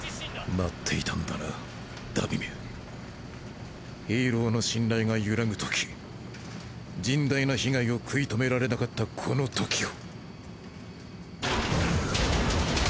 待っていたんだな荼毘めヒーローの信頼が揺らぐ時甚大な被害を食い止められなかったこの時を